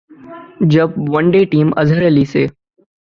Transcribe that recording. جب one day team Azhar Ali سے